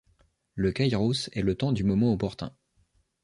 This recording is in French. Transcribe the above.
Le kairos est le temps du moment opportun.